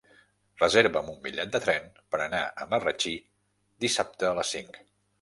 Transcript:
Reserva'm un bitllet de tren per anar a Marratxí dissabte a les cinc.